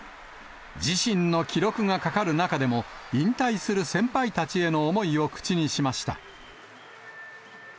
自身の記録がかかる中でも、引退する先輩たちへの思いを口にしました。